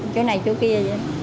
chỗ này chỗ kia